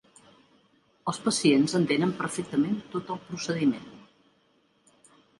Els pacients entenen perfectament tot el procediment.